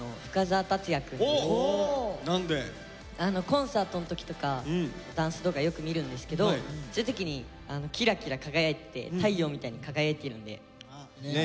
コンサートの時とかダンス動画よく見るんですけどそういう時にキラキラ輝いてて太陽みたいに輝いているので。ね